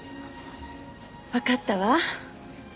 わかったわ。